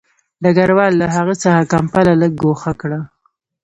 ډګروال له هغه څخه کمپله لږ ګوښه کړه